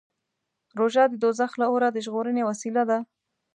روژه د دوزخ له اوره د ژغورنې وسیله ده.